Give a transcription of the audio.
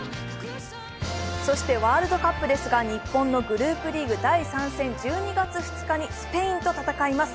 そしてワールドカップですが、日本のグループリーグ第３戦、１２月２日にスペインと戦います。